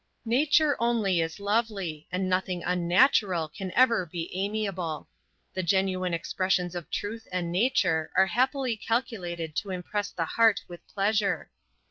Nature only is lovely, and nothing unnatural can ever be amiable. The genuine expressions of truth and nature are happily calculated to impress the heart with pleasure.